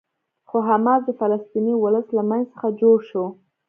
خو حماس د فلسطیني ولس له منځ څخه جوړ شو.